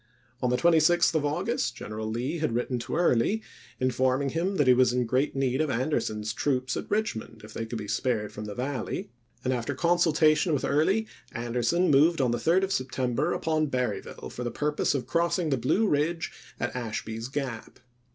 On the 26th of August General Lee had written to Early, informing him that he was in great need of Ander son's troops at Eichmond, if they could be spared from the Valley; and after consultation with SHEEIDAN IN THE SHENANDOAH 297 Early, Anderson moved on the 3d of September ch. xiii. upon Berryville for the purpose of crossing the im. Blue Ridge at Ashby's Gap.